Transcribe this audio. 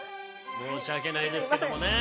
申し訳ないですけどもね。